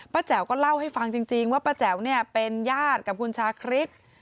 แจ๋วก็เล่าให้ฟังจริงว่าป้าแจ๋วเนี่ยเป็นญาติกับคุณชาคริส